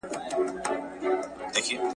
غوايي هم وکړل پاچا ته سلامونه ..